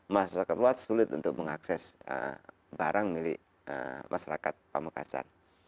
masyarakat luas sulit untuk mengakses barang milik masyarakat pamekasan